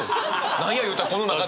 何やいうたらこの中で。